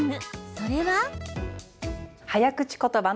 それは。